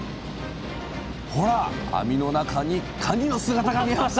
ほら網の中にかにの姿が見えました！